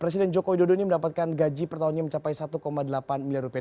presiden joko widodo ini mendapatkan gaji pertahunnya mencapai satu delapan miliar rupiah